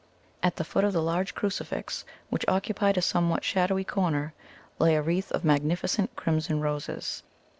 At the foot of the large crucifix, which occupied a somewhat shadowy corner, lay a wreath of magnificent crimson roses.